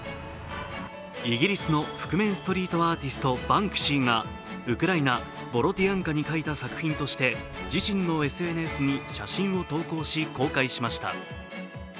イギリスの覆面ストリートアーティスト、バンクシーがウクライナ・ボロディアンカに描いた作品として自身のＳＮＳに写真を投稿し、公開しました。